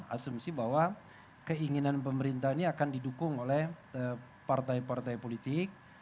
asumsi bahwa keinginan pemerintah ini akan didukung oleh partai partai politik